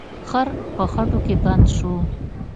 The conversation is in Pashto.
خر په خټو کې بند شو.